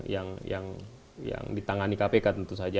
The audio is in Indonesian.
yang ditangani kpk tentu saja